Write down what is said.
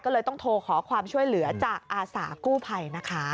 ก็เลยต้องโทรขอความช่วยเหลือจากอาสากู้ภัยนะคะ